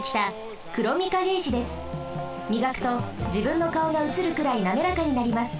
みがくとじぶんのかおがうつるくらいなめらかになります。